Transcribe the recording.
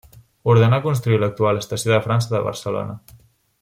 Ordenà construir l'actual Estació de França de Barcelona.